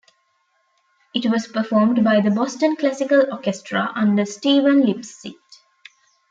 It was performed by the Boston Classical Orchestra, under Steven Lipsitt.